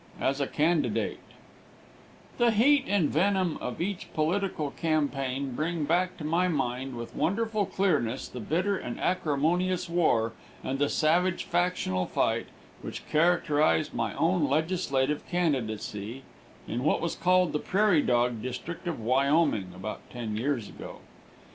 AS A CANDIDATE XII The heat and venom of each political campaign bring back to my mind with wonderful clearness the bitter and acrimonious war, and the savage factional fight, which characterized my own legislative candidacy in what was called the Prairie Dog District of Wyoming, about ten years ago.